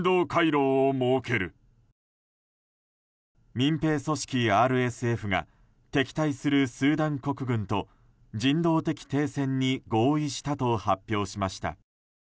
民兵組織ＲＳＦが敵対するスーダン国軍と人道的停戦に合意したと発表しました。